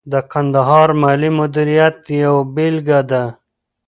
د کندهار مالي مدیریت یوه بیلګه ده.